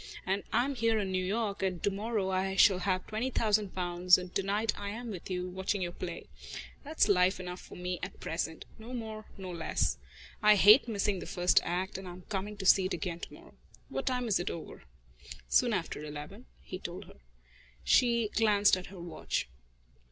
And I am here in New York, and to morrow I shall have twenty thousand pounds, and to night I am with you, watching your play. That's life enough for me at present no more, no less. I hate missing the first act, and I'm coming to see it again to morrow. What time is it over?" "Soon after eleven," he told her. She glanced at her watch.